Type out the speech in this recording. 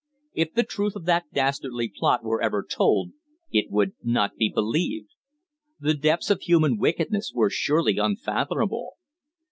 If the truth of that dastardly plot were ever told, it would not be believed. The depths of human wickedness were surely unfathomable.